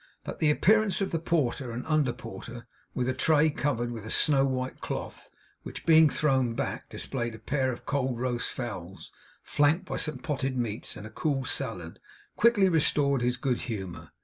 But the appearance of the porter and under porter with a tray covered with a snow white cloth, which, being thrown back, displayed a pair of cold roast fowls, flanked by some potted meats and a cool salad, quickly restored his good humour.